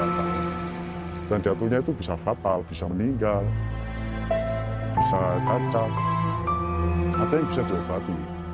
terus meng burya tempat tempat ketika mereka buruh hidup di jawa timur